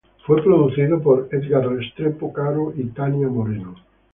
Fue producido por Edgar Restrepo Caro y Tania Moreno.